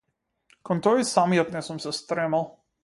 Кон тоа и самиот не сум се стремел.